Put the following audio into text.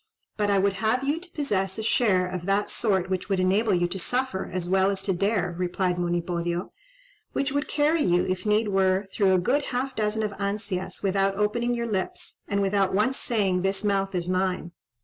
"But I would have you to possess a share of that sort which would enable you to suffer as well as to dare," replied Monipodio, "which would carry you, if need were, through a good half dozen of ansias without opening your lips, and without once saying 'This mouth is mine.'"